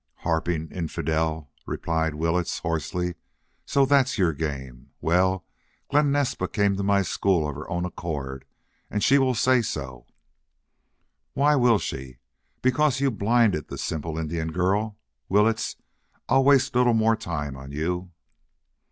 "Harping infidel!" replied Willetts, hoarsely. "So that's your game. Well, Glen Naspa came to my school of her own accord and she will say so." "Why will she? Because you blinded the simple Indian girl.... Willetts, I'll waste little more time on you."